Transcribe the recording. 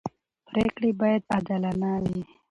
پرېکړې باید عادلانه وي